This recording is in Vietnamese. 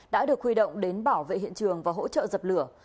đã được huy động đến bảo vệ hiện trường và hỗ trợ dập lửa